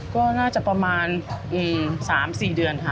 ก็น่าจะประมาณ๓๔เดือนค่ะ